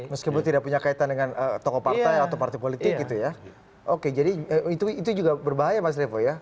meskipun tidak punya kaitan dengan tokoh partai atau partai politik gitu ya oke jadi itu juga berbahaya mas revo ya